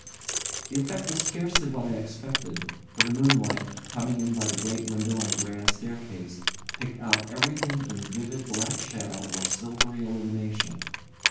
The effect was scarcely what I expected, for the moonlight, coming in by the great window on the grand staircase, picked out everything in vivid black shadow or silvery illumination.